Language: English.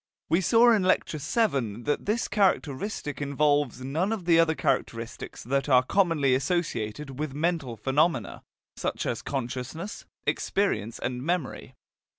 We saw in Lecture VII that this characteristic involves none of the other characteristics that are commonly associated with mental phenomena, such as consciousness, experience and memory.